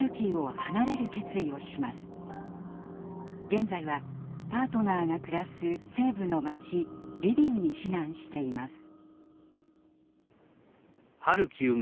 現在はパートナーが暮らす西部の街リビウに避難しています。